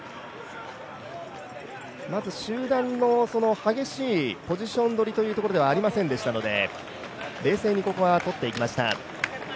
まず集団の激しいポジション取りというところではありませんでしたので冷静にここは取っていきました。